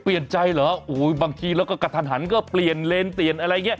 เปลี่ยนใจเหรอโอ้โหบางทีแล้วก็กระทันหันก็เปลี่ยนเลนเปลี่ยนอะไรอย่างนี้